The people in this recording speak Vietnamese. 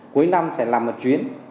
cuối năm sẽ làm một chuyến